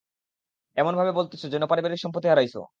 এমন ভাবে বলতেসো, যেনো পারিবারিক সম্পত্তি হারাইসো।